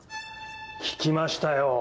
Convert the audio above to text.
聞きましたよ。